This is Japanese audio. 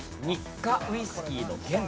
ニッカウヰスキーの原点。